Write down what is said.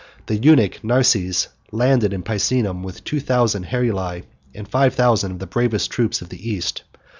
The eunuch Narses landed in Picenum with two thousand Heruli and five thousand of the bravest troops of the East.